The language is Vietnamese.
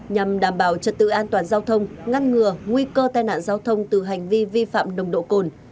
nhằm đảm bảo trật tự an toàn giao thông ngăn ngừa nguy cơ tai nạn giao thông từ hành vi vi phạm nồng độ cồn